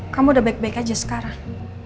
kamu udah baik baik aja sekarang